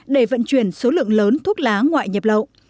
để vận chuyển số lượng lớn thuốc lá ngoại nhập lậu